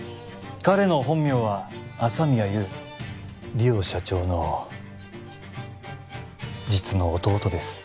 彼の本名は朝宮優梨央社長の実の弟です